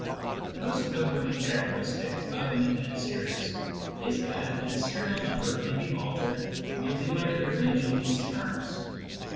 The most noteworthy characteristic of an infinite series is that its serial number can be altered by merely re arranging its terms.